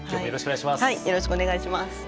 よろしくお願いします。